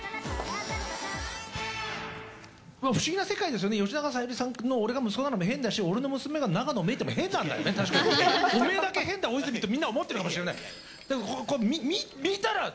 不思議な世界ですよね、吉永小百合さんの俺が息子なのも変だし、俺の娘が永野芽郁なのも変なんだよね、お前だけ変だ、大泉と思ってるかもしれない。